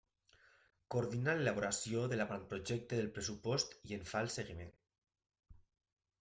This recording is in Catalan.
Coordina l'elaboració de l'avantprojecte del pressupost i en fa el seguiment.